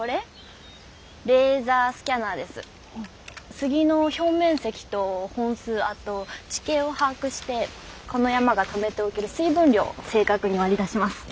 スギの表面積と本数あと地形を把握してこの山がためておける水分量を正確に割り出します。